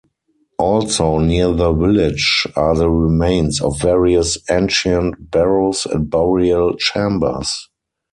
Also near the village are the remains of various ancient barrows and burial chambers.